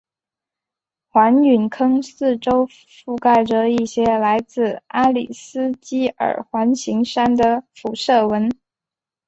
环陨坑四周覆盖着一些来自阿里斯基尔环形山的辐射纹。